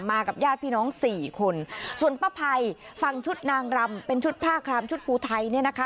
กับญาติพี่น้องสี่คนส่วนป้าภัยฝั่งชุดนางรำเป็นชุดผ้าครามชุดภูไทยเนี่ยนะคะ